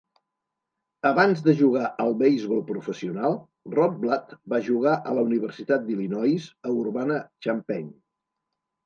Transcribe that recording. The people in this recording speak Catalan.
Abans de jugar al beisbol professional, Rotblatt va jugar a la Universitat d'Illinois a Urbana-Champaign.